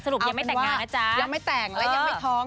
สรุปยังไม่แต่งงานนะจ๊ะเอาเป็นว่ายังไม่แต่งและยังไม่ท้อง